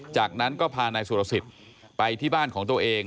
จากนั้นก็พานายสุรสิทธิ์ไปที่บ้านของตัวเอง